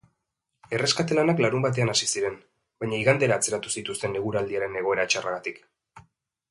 Erreskate lanak larunbatean hasi ziren, baina igandera atzeratu zituzten eguraldiaren egoera txarragatik.